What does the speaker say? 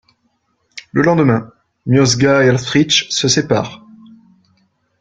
Le lendemain, Miosga et Hällfritzsch se séparent.